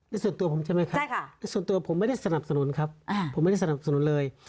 ส่วนตัวผมใช่ไหมครับส่วนตัวผมไม่ได้สนับสนุนครับผมไม่ได้สนับสนุนเลย